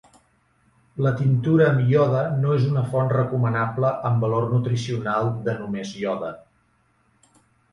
La tintura amb iode no és una font recomanable amb valor nutricional de només iode.